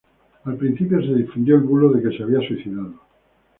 Al principio se difundió el bulo de que se había suicidado.